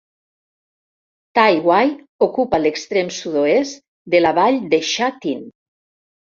Tai Wai ocupa l'extrem sud-oest de la vall de Sha Tin.